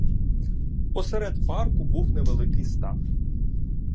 Посеред парку був невеликий став.